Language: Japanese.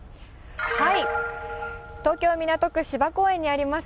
東京・港区芝公園にあります